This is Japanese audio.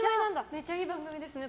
めっちゃいい番組ですね